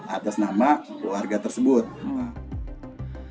atas nama warga sekitar